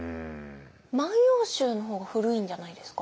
「万葉集」の方が古いんじゃないですか？